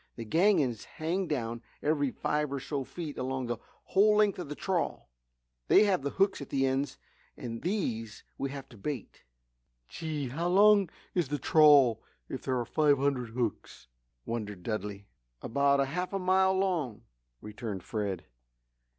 These gangins hang down every five or so feet along the whole length of the trawl. They have the hooks at the ends and these we have to bait." "Gee! How long is the trawl if there are five hundred hooks?" wondered Dudley. "About half a mile long," returned Fred.